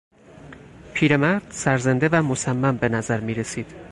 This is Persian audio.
پیرمرد، سرزنده و مصمم به نظر میرسید.